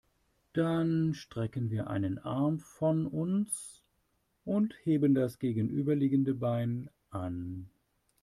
Dann strecken wir einen Arm von uns und heben das gegenüberliegende Bein an.